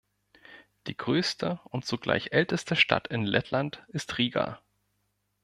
Die größte und zugleich älteste Stadt in Lettland ist Riga.